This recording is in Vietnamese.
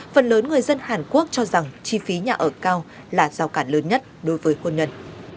phần lớn người dân hàn quốc cho rằng chi phí nhà ở cao là giao cản lớn nhất đối với hôn nhân